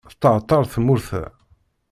Teṭṭerṭer tmurt-a.